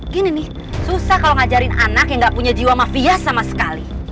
gini nih susah kalau ngajarin anak yang gak punya jiwa mafia sama sekali